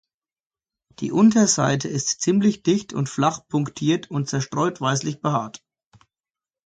Die Unterseite ist ziemlich dicht und flach punktiert und zerstreut weißlich behaart.